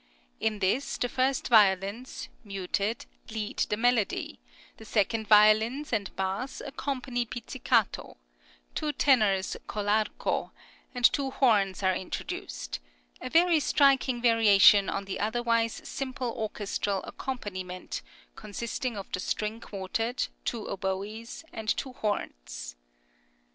In this the first violins (muted) lead the melody, the second violins and bass accompany pizzicato, two tenors coll' arco, and two horns are introduced; a very striking variation on the otherwise simple orchestral accompaniment, consisting of the string quartet, two oboes, and two horns.